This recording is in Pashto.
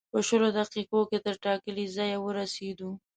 په شلو دقیقو کې تر ټاکلي ځایه ورسېدو.